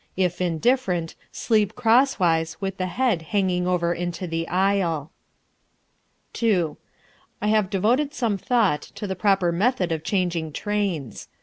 If indifferent, sleep crosswise with the head hanging over into the aisle. 2. I have devoted some thought to the proper method of changing trains.